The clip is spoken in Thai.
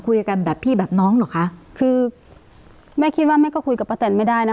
คุยกันแบบพี่แบบน้องเหรอคะคือแม่คิดว่าแม่ก็คุยกับป้าแตนไม่ได้นะ